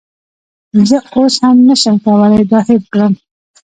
زه اوس هم نشم کولی دا هیر کړم